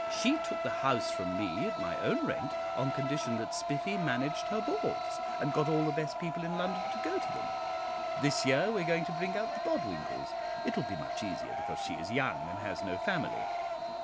She took the house from me at my own rent on condition that Spiffy managed her balls, and got all the best people in London to go to them. This year we are going to bring out the Bodwinkles. It will be much easier, because she is young, and has no family.